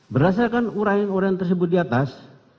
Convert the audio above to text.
berdasarkan uraian uraian tersebut di atas